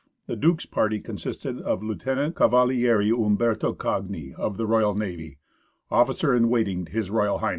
The Duke's party consisted of Lieut. Cavaliere Umberto Cagni, of the Royal Navy, ofificer in waiting to H.R.H.